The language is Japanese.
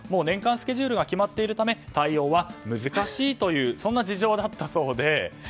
年間スケジュールが決まっているため対応は難しいというそんな事情だったそうで。